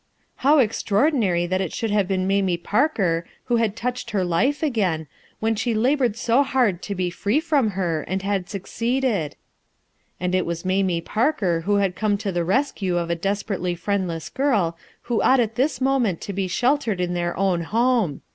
How extraordinary that it should have been Mamie Parker who had touched her life again, when she had labored so hard to be free from her, and had succeeded ! And it was Mamie Parker who had come to the rescue of a desperately friendless girl who ought at this moment to be sheltered in their own home!